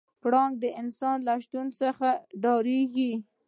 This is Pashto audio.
پړانګ د انسان له شتون څخه ډارېږي.